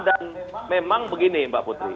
memang begini mbak putri